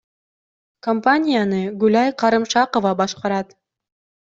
Компанияны Гүлай Карымшакова башкарат.